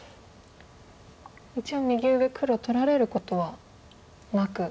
一応右上黒取られることはなく。